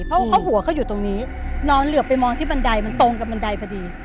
เพราะว่าเขาหัวเขาอยู่ตรงนี้นอนเหลือไปมองที่บันไดมันตรงกับบันไดพอดี